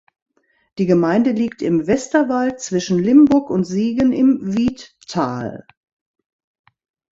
Die Gemeinde liegt im Westerwald zwischen Limburg und Siegen im Wiedtal.